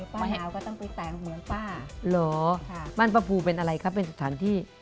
ปั้เนาก็ต้องไปแต่งเหมือนป้าหรอข้าบ้านพระภูเป็นอะไรค่ะเป็นสะถานที่